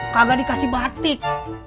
kagak dikasih batik